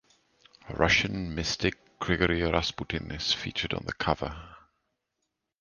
Russian mystic Grigori Rasputin is featured on the cover.